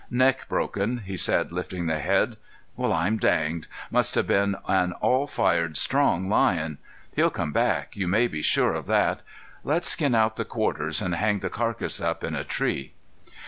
"Neck broken," he said, lifting the head. "Well, I'm danged. Must have been an all fired strong lion. He'll come back, you may be sure of that. Let's skin out the quarters and hang the carcass up in a tree!"